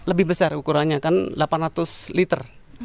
lebih besar ukurannya kan delapan ratus liter